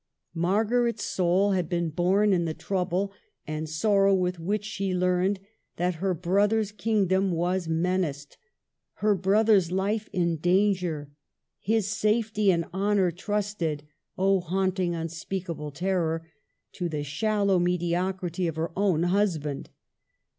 Margaret's soul had been born in the trouble and sorrow with which she learned that her brother's kingdom was men aced ; her brother's life in danger, his safety and honor trusted (O haunting, unspeakable terror !) to the shallow mediocrity of her own husband.